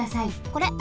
これ。